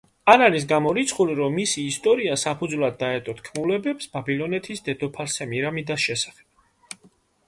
არ არის გამორიცხული, რომ მისი ისტორია საფუძვლად დაედო თქმულებებს ბაბილონეთის დედოფალ სემირამიდას შესახებ.